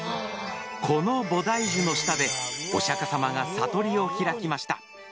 この菩提樹の下でお釈迦様が悟りを開きました。